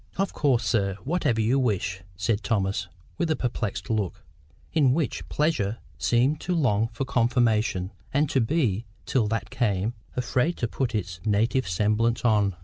"Of course, sir, whatever you wish," said Thomas, with a perplexed look, in which pleasure seemed to long for confirmation, and to be, till that came, afraid to put its "native semblance on."